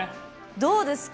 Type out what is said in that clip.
どうですか？